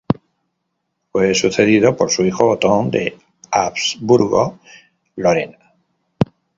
Fue sucedido por su hijo Otón de Habsburgo-Lorena.